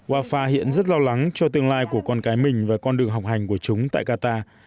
wafa hiện rất lo lắng cho tương lai của con cái mình và con đường học hành của chúng tại qatar